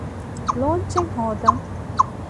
ލޯންޗެއް ހޯދަން